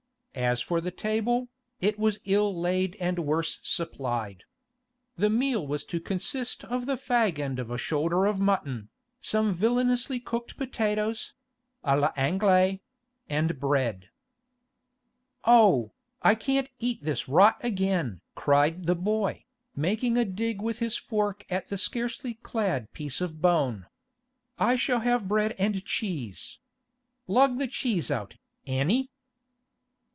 As for the table, it was ill laid and worse supplied. The meal was to consist of the fag end of a shoulder of mutton, some villainously cooked potatoes (à l'Anglaise) and bread. 'Oh, I can't eat this rot again!' cried the boy, making a dig with his fork at the scarcely clad piece of bone. 'I shall have bread and cheese. Lug the cheese out, Annie!